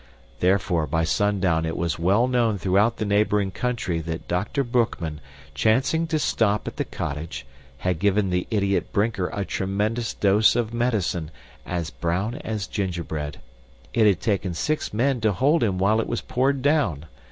Therefore, by sundown it was well known throughout the neighboring country that Dr. Boekman, chancing to stop at the cottage, had given the idiot Brinker a tremendous dose of medicine, as brown as gingerbread. It had taken six men to hold him while it was poured down.